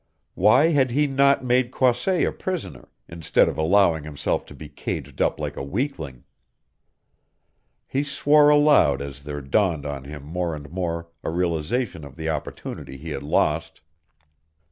Why had he not made Croisset a prisoner, instead of allowing himself to be caged up like a weakling? He swore aloud as there dawned on him more and more a realization of the opportunity he had lost.